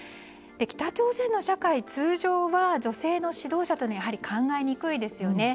北朝鮮の社会、通常は女性の指導者というのはやはり考えにくいですよね。